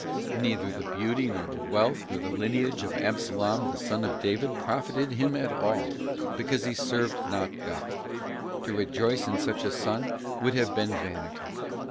Neither the beauty, nor the wealth, nor the lineage of Absalom the son of David profited him at all, because he served not God. To rejoice in such a son would have been vanity.